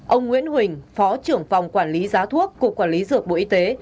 ông nguyễn huỳnh phó trưởng phòng quản lý giá thuốc cục quản lý dược bộ y tế